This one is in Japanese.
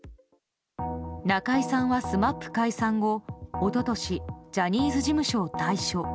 中居さんはＳＭＡＰ解散後一昨年、ジャニーズ事務所を退所。